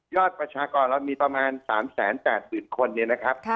ยอดประชากรเรามี๓๘๐๐๐๐ในนะครับ